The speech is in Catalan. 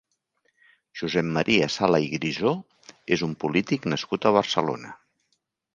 Josep Maria Sala i Grisó és un polític nascut a Barcelona.